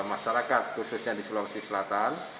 masyarakat khususnya di sulawesi selatan